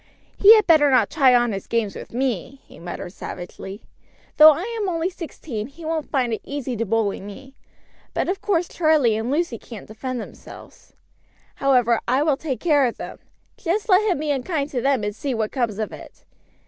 "He had better not try on his games with me," he muttered savagely. "Though I am only sixteen he won't find it easy to bully me; but of course Charlie and Lucy can't defend themselves. However, I will take care of them. Just let him be unkind to them, and see what comes of it!